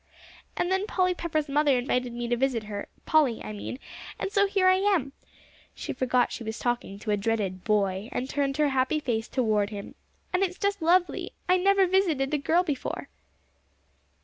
"And then Polly Pepper's mother invited me to visit her Polly, I mean and so here I am" she forgot she was talking to a dreaded boy, and turned her happy face toward him "and it's just lovely. I never visited a girl before."